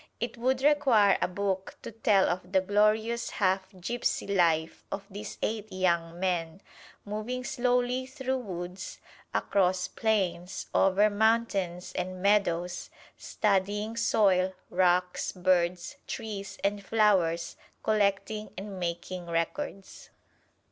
It would require a book to tell of the glorious half gypsy life of these eight young men, moving slowly through woods, across plains, over mountains and meadows, studying soil, rocks, birds, trees and flowers, collecting and making records.